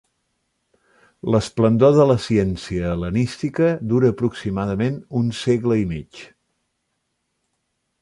L'esplendor de la ciència hel·lenística dura aproximadament un segle i mig.